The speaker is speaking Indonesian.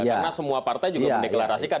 karena semua partai juga mendeklarasikan